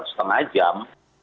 dan hanya kemudian